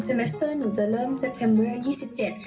ซีเมสเตอร์หนูจะเริ่มเซปเทมเวอร์อยี่สิบเจ็ด